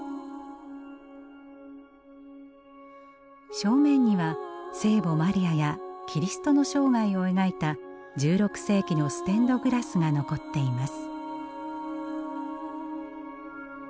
正面には聖母マリアやキリストの生涯を描いた１６世紀のステンドグラスが残っています。